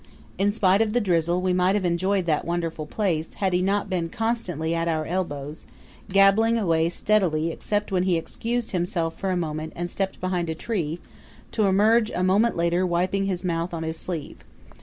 In spite of the drizzle we might have enjoyed that wonderful place had he not been constantly at our elbows, gabbling away steadily except when he excused himself for a moment and stepped behind a tree, to emerge a moment later wiping his mouth on his sleeve.